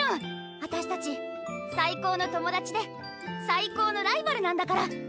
あたしたち最高の友達で最高のライバルなんだから！